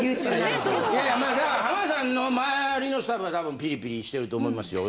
いやいや浜田さんの周りの人は多分ピリピリしてると思いますよ。